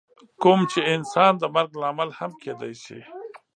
کوم چې انسان د مرګ لامل هم کیدی شي.